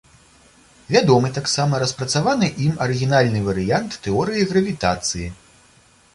Вядомы таксама распрацаваны ім арыгінальны варыянт тэорыі гравітацыі.